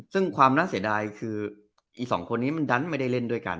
ซึ่งความน่าเสียดายคืออีกสองคนนี้มันดันไม่ได้เล่นด้วยกัน